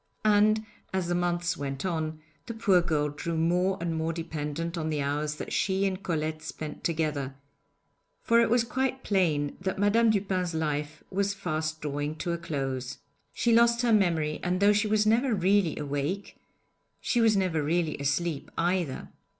And as the months went on, the poor girl grew more and more dependent on the hours that she and Colette spent together, for it was quite plain that Madame Dupin's life was fast drawing to a close. She lost her memory, and though she was never really awake, she was never really asleep either.